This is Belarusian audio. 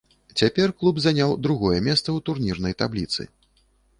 Цяпер клуб заняў другое месца ў турнірнай табліцы.